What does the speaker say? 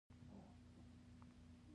د نیت پاکي تل برکت راوړي.